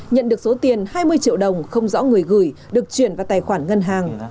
nhận được số tiền hai mươi triệu đồng không rõ người gửi được chuyển vào tài khoản ngân hàng